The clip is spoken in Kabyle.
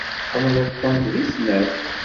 Tḥemmleḍ-tent deg snat.